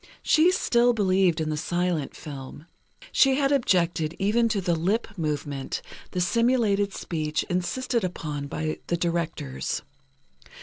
She still believed in the silent film. She had objected even to the lip movement, the simulated speech insisted upon by the directors.